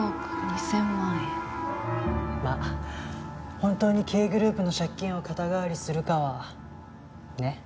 まあ本当にＫグループの借金を肩代わりするかはねっ。